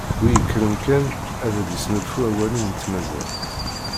Wi ikkren kan ad d-isnulfu awalen i tmaziɣt.